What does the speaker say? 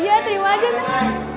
iya terima aja nay